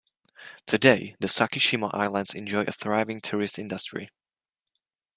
Today the Sakishima Islands enjoy a thriving tourist industry.